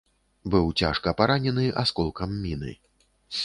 Быў цяжка паранены асколкам міны.